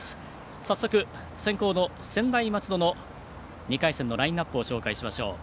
早速、先攻の専大松戸の２回戦のラインナップを紹介しましょう。